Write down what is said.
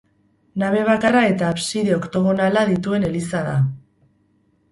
Nabe bakarra eta abside oktogonala dituen eliza da.